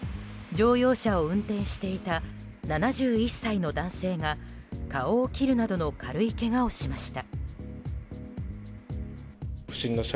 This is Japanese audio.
乗用車を運転していた７１歳の男性が顔を切るなどの軽いけがをしました。